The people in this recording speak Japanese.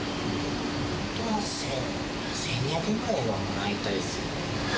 本当は１２００円ぐらいはもらいたいですよね。